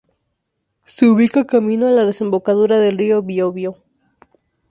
Se ubica camino a la desembocadura del río Biobío.